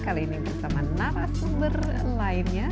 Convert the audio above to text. kali ini bersama narasumber lainnya